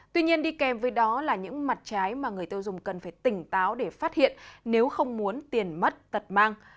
tuy nhiên đi kèm với đó là những mặt trái mà người tiêu dùng cần phải tỉnh táo để phát hiện nếu không muốn tiền mất tật mang